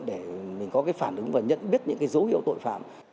để mình có cái phản ứng và nhận biết những cái dấu hiệu tội phạm